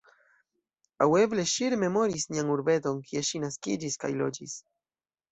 Aŭ eble ŝi rememoris nian urbeton, kie ŝi naskiĝis kaj loĝis.